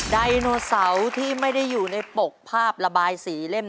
ไดโนเสาร์ที่ไม่ได้อยู่ในปกภาพระบายสีเล่ม